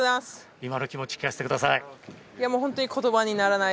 今の気持ち聞かせてください。